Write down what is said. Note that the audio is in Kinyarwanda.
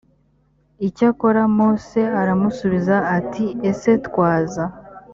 icyakora mose aramusubiza ati ese twaza